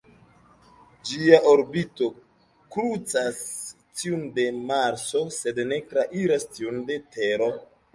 Ĝia orbito krucas tiun de Marso sed ne trairas tiun de Tero.